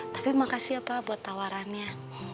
tapi makasih ya pak buat tawarannya